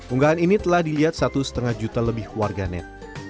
unggahan ini telah dilihat satu lima juta lebih warganet